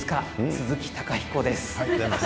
鈴木貴彦です。